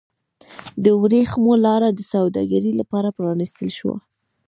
د ورېښمو لاره د سوداګرۍ لپاره پرانیستل شوه.